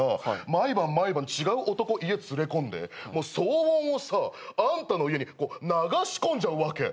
毎晩毎晩違う男家連れ込んで騒音をさあんたの家に流し込んじゃうわけ。